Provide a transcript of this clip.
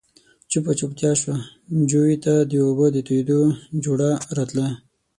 چوپه چوپتيا شوه، جووې ته د اوبو د تويېدو جورړا راتله.